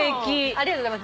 ありがとうございます。